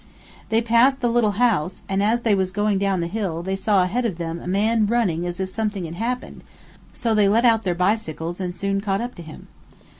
They passed the little house, and as they was going down the hill they saw ahead of them a man running as if something had happened, so they let out their bicycles and soon caught up to him.